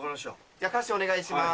じゃあ歌詞お願いします。